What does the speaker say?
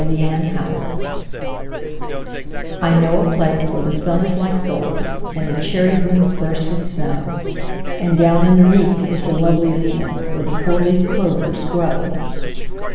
The Four leaf Clover I know a place where the sun is like gold, And the cherry blooms burst like snow; And down underneath is the loveliest nook, Where the four leaf clovers grow.